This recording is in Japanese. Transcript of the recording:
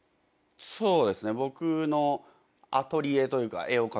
そうですね。